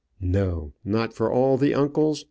No, not for all the uncles!